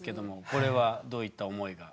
これはどういった思いが？